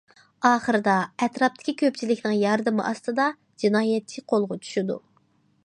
ئاخىرىدا، ئەتراپتىكى كۆپچىلىكنىڭ ياردىمى ئاستىدا، جىنايەتچى قولغا چۈشىدۇ.